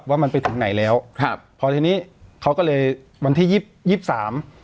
ว่ามันไปถึงไหนแล้วครับพอทีนี้เขาก็เลยวันที่ยี่ยี่สิบสาม